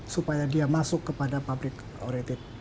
supaya dia masuk kepada pabrik oriented